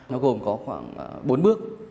nó gồm có khoảng bốn bước